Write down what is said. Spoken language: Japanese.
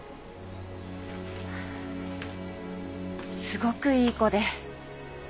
すごくいい子で。